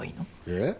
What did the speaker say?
えっ？